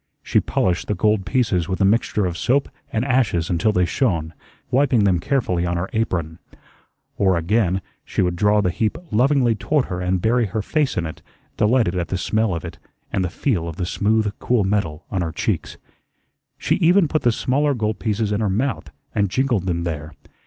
She polished the gold pieces with a mixture of soap and ashes until they shone, wiping them carefully on her apron. Or, again, she would draw the heap lovingly toward her and bury her face in it, delighted at the smell of it and the feel of the smooth, cool metal on her cheeks. She even put the smaller gold pieces in her mouth, and jingled them there.